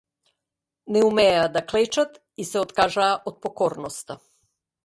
Не умееја да клечат и се откажаа од покорноста.